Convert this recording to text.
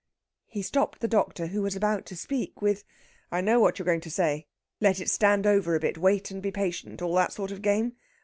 He stopped the doctor, who was about to speak, with: "I know what you are going to say; let it stand over a bit wait and be patient all that sort of game!